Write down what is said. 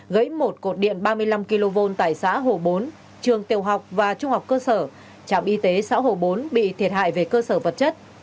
gãy một cột điện ba mươi năm kv tại xã hồ bốn trường tiêu học và trung học cơ sở trạm y tế xã hồ bốn bị thiệt hại về cơ sở vật chất